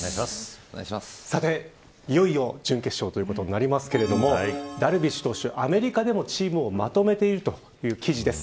さて、いよいよ準決勝ということになりますけれどもダルビッシュ投手、アメリカでもチームをまとめているという記事です。